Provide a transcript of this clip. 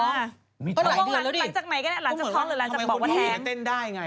หลังจากไหนก็ได้หลังจากท้องหรือหลังจากบอกว่าแท้